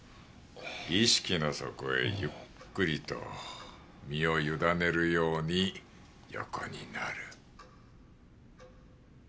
意識の底へゆっくりと身を委ねるように横になる。